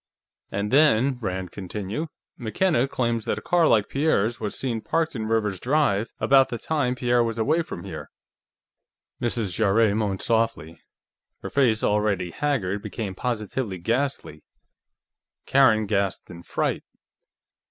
"And then," Rand continued, "McKenna claims that a car like Pierre's was seen parked in Rivers's drive about the time Pierre was away from here." Mrs. Jarrett moaned softly; her face, already haggard, became positively ghastly. Karen gasped in fright.